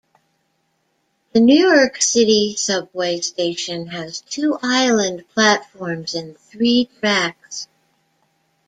The New York City Subway station has two island platforms and three tracks.